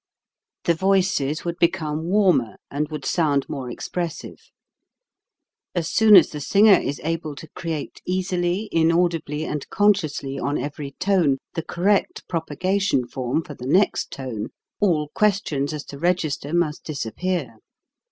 The voices would become warmer and would sound more expressive. As soon as the singer is able to create easily, inaudibly, and consciously on every tone the correct propagation form for the next tone, all questions as to register must 163 164 HOW TO SING disappear.